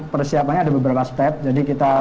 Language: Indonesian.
persiapannya ada beberapa step jadi kita